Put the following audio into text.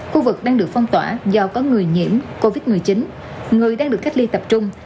khu vực đang được phong tỏa do có người nhiễm covid một mươi chín người đang được cách ly tập trung